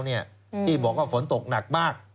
ที่บอกว่าฝนตกหนักมาก